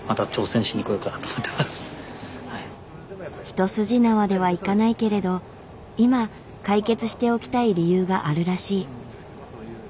一筋縄ではいかないけれど今解決しておきたい理由があるらしい。